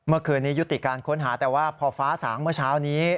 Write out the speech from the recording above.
เมื่อคืนนี้ยุติการค้นหาแต่ว่าพอฟ้าสางเมื่อเช้านี้